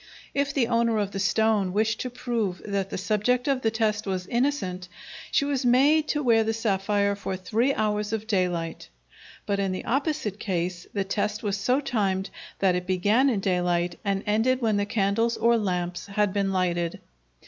If the owner of the stone wished to prove that the subject of the test was innocent, she was made to wear the sapphire for three hours of daylight; but in the opposite case the test was so timed that it began in daylight and ended when the candles or lamps had been lighted.